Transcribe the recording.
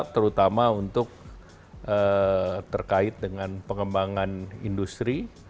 terutama untuk terkait dengan pengembangan industri